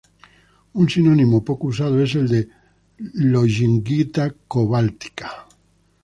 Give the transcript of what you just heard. Un sinónimo poco usado es el de "lollingita-cobáltica".